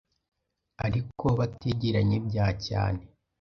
ariko bategeranye bya cyane